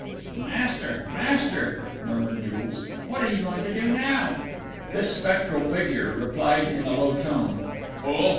"Master!... Master!" murmured Jules. "What are you going to do now?" This spectral figure replied in a low tone: "Fool!...